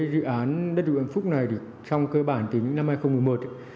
dự án đất dụng ẩm phúc này thì trong cơ bản tính năm hai nghìn một mươi một